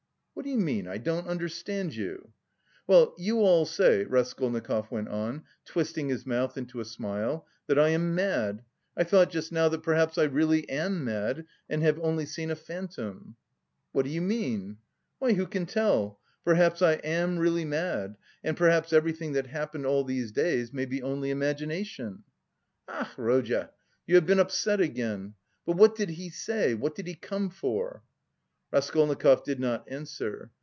"What do you mean? I don't understand you." "Well, you all say," Raskolnikov went on, twisting his mouth into a smile, "that I am mad. I thought just now that perhaps I really am mad, and have only seen a phantom." "What do you mean?" "Why, who can tell? Perhaps I am really mad, and perhaps everything that happened all these days may be only imagination." "Ach, Rodya, you have been upset again!... But what did he say, what did he come for?" Raskolnikov did not answer.